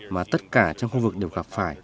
mà tất cả trong khu vực đều gặp phải